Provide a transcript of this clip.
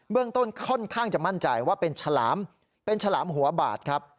ต้นค่อนข้างจะมั่นใจว่าเป็นฉลามเป็นฉลามหัวบาดครับ